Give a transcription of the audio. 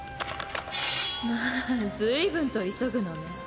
まあ随分と急ぐのね。